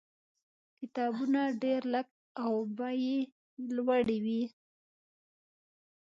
کتابونه ډېر لږ او بیې یې لوړې وې.